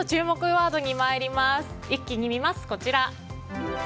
ワード一気に見ます、こちら。